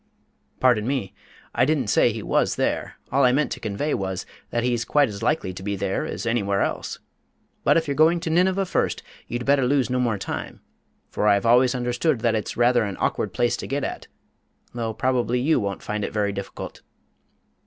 "Pardon me, I didn't say he was there. All I meant to convey was, that he's quite as likely to be there as anywhere else. But if you're going to Nineveh first, you'd better lose no more time, for I've always understood that it's rather an awkward place to get at though probably you won't find it very difficult."